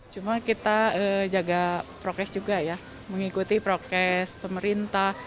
cuma kita jaga prokes juga ya mengikuti prokes pemerintah